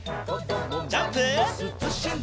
ジャンプ！